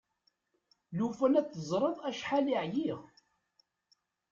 Lufan ad teẓreḍ acḥal i ɛyiɣ!